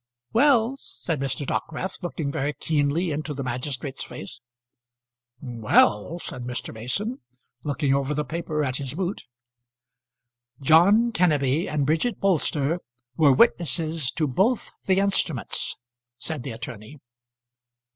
"Well," said Mr. Dockwrath, looking very keenly into the magistrate's face. "Well," said Mr. Mason, looking over the paper at his boot. "John Kenneby and Bridget Bolster were witnesses to both the instruments," said the attorney.